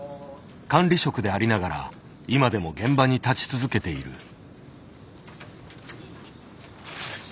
管理職でありながら今でも現場に立ち続けている。